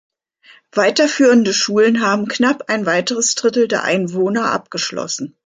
Weiterführende Schulen haben knapp ein weiteres Drittel der Einwohner abgeschlossen.